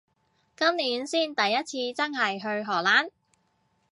今年先第一次真係去荷蘭